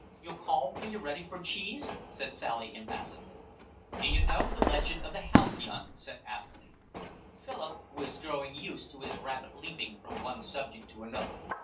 "You'll call when you're ready for cheese," said Sally impassively. "D'you know the legend of the halcyon?" said Athelny: Philip was growing used to his rapid leaping from one subject to another.